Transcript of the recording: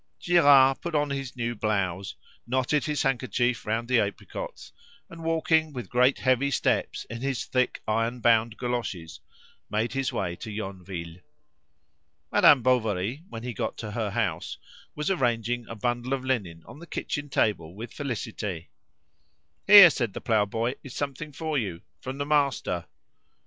Girard put on his new blouse, knotted his handkerchief round the apricots, and walking with great heavy steps in his thick iron bound galoshes, made his way to Yonville. Madame Bovary, when he got to her house, was arranging a bundle of linen on the kitchen table with Félicité. "Here," said the ploughboy, "is something for you from the master."